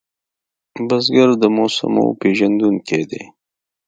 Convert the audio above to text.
بزګر د موسمو پېژندونکی دی